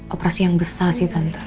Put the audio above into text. operasi yang besar sih tante